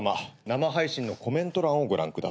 生配信のコメント欄をご覧ください。